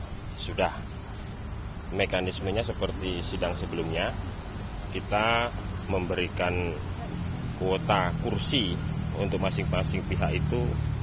pada saat ini sudah mekanismenya seperti sidang sebelumnya kita memberikan kuota kursi untuk masing masing pihak itu empat belas